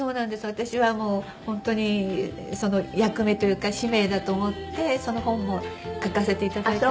私はもう本当に役目というか使命だと思ってその本も書かせ頂いた。